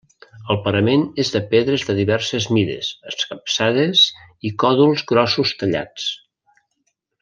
El parament és de pedres de diverses mides, escapçades, i còdols grossos tallats.